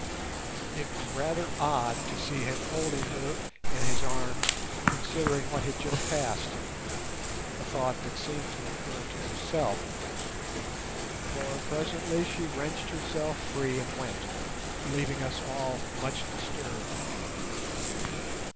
It was rather odd to see him holding her in his arms considering what had just passed—a thought that seemed to occur to herself, for presently she wrenched herself free and went, leaving us all much disturbed.